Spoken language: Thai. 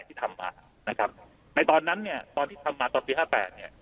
ที่ทำมานะครับในตอนนั้นเนี่ยตอนที่ทำมาตอนปีห้าแปดเนี่ย